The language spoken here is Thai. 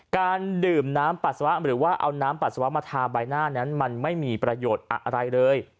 การดื่มน้ำปัสสาวะหรือว่าเอาน้ำปัสสาวะมาทาใบหน้านั้นมันไม่มีประโยชน์อะไรเลย